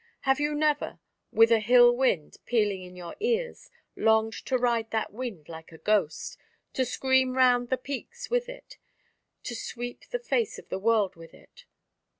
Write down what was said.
Have you never, with a hill wind pealing in your ears, longed to ride that wind like a ghost, to scream round the peaks with it, to sweep the face of the world with it?